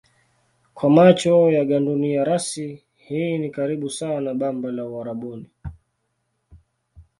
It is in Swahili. Kwa macho ya gandunia rasi hii ni karibu sawa na bamba la Uarabuni.